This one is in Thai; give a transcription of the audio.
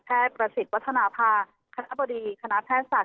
แพทย์ประสิทธิ์พัฒนภาคณพุดีคณะแพทย์ศาสตร์